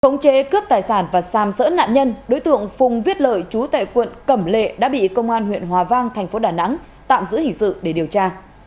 khống chế cướp tài sản và xam sỡ nạn nhân đối tượng phùng viết lợi chú tại quận cẩm lệ đã bị công an huyện hòa vang thành phố đà nẵng tạm giữ hình sự để điều tra